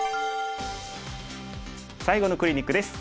最後のクリニックです。